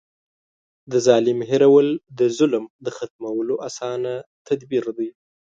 د ظالم هېرول د ظلم د ختمولو اسانه تدبير دی.